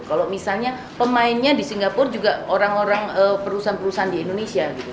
kalau misalnya pemainnya di singapura juga orang orang perusahaan perusahaan di indonesia